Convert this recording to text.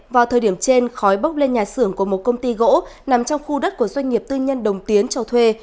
vào thời điểm trên khói bốc lên nhà xưởng của một công ty gỗ nằm trong khu đất của doanh nghiệp tư nhân đồng tiến cho thuê